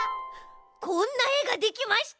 こんなえができました！